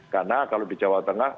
karena kalau di jawa tengah